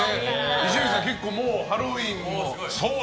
伊集院さん、結構ハロウィーンも。